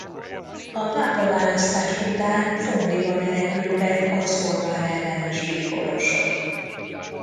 A pápaválasztás után Fondiba menekültek az Orbán-ellenes bíborosok.